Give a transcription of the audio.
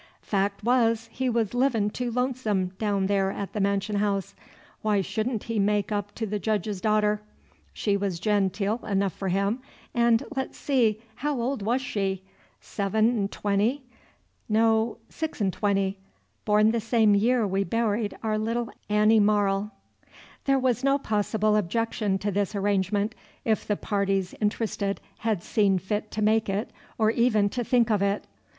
Fac' was, he was livin' too lonesome daown there at the mansion haouse. Why shouldn't he make up to the Jedge's daughter? She was genteel enough for him, and let's see, haow old was she? Seven 'n'itwenty, no, six 'n' twenty, born the same year we buried our little Anny Marl". There was no possible objection to this arrangement, if the parties interested had seen fit to make it or even to think of it.